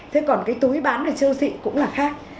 thế còn cái túi bán ở châu thị cũng là khác